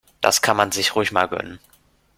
Das kann man sich ruhig mal gönnen.